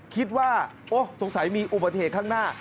คิดว่าสงสัยมีอุบัติเหตุข้างหน้า